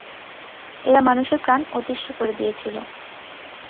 এরা মানুষের প্রাণ অতিষ্ঠ করে দিয়েছিল।